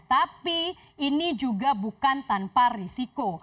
tapi ini juga bukan tanpa risiko